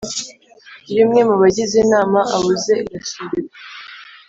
Iyo umwe mu bagize inama abuze irasubikwa.